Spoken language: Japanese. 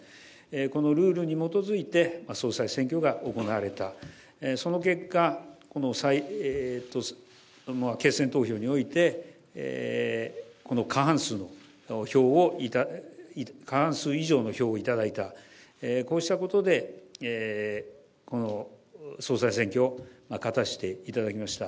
このルールに基づいて、総裁選挙が行われたその結果、この決選投票において、この過半数の票を、過半数以上の票を頂いた、こうしたことで、この総裁選挙、勝たせていただきました。